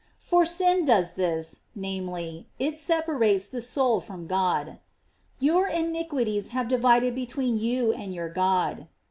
* For sin does this, namely, it separates the soul from God: "Your iniquities have divided between you and your God."